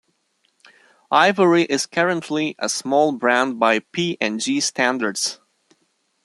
Ivory is currently a small brand by P and G standards.